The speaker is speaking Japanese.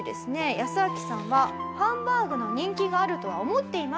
ヤスアキさんはハンバーグの人気があるとは思っていません。